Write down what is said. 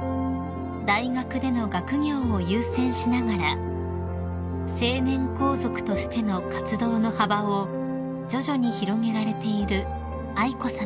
［大学での学業を優先しながら成年皇族としての活動の幅を徐々に広げられている愛子さまです］